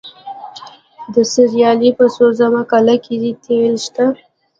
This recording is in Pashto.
د سرپل په سوزمه قلعه کې تیل شته.